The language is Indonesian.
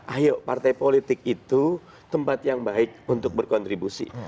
ayo partai politik itu tempat yang baik untuk berkontribusi